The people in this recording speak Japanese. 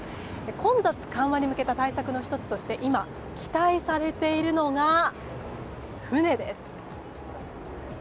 混雑緩和に向けた対策の一つとして今、期待されているのが船です。